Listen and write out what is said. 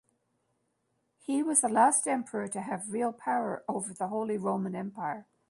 He was the last emperor to have real power over the Holy Roman Empire.